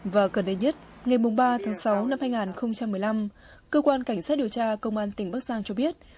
và gần đây nhất ngày ba tháng sáu năm hai nghìn một mươi năm cơ quan cảnh sát điều tra công an tỉnh bắc giang cho biết